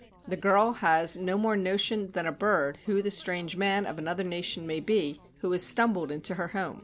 The girl has no more notion than a bird who the strange man of another nation may be, who has stumbled into her home.